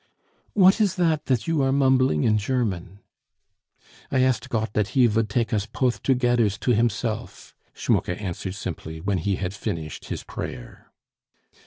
"What is that that you are mumbling in German?" "I asked Gott dat He vould take us poth togedders to Himself!" Schmucke answered simply when he had finished his prayer.